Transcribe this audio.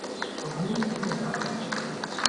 Und nun zum Wetter.